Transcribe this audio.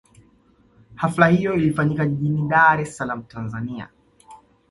Hafla hiyo ilifanyika jijini Dar es Salaam Tanzania